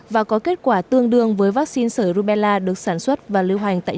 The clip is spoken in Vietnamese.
và có kết quả tương đương với vaccine sở rubella được sản xuất và lưu hoành tại nhật bản